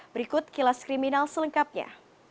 berikut kilas kriminal selengkapnya